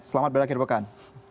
selamat berakhir bekan